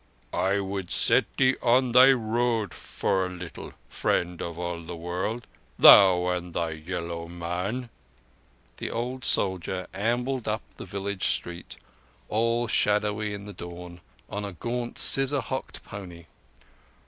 "I would set thee on thy road for a little, Friend of all the World, thou and thy yellow man." The old soldier ambled up the village street, all shadowy in the dawn, on a punt, scissor hocked pony.